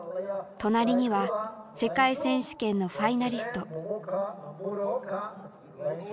隣には世界選手権のファイナリスト。